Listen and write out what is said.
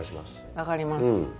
わかります。